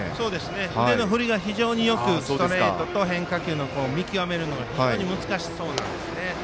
腕の振りが非常によくストレートと変化球の見極めるのが非常に難しそうなんですね。